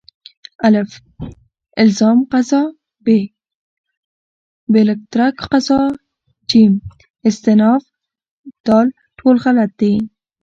الف: الزام قضا ب: باالترک قضا ج: استیناف د: ټول غلط دي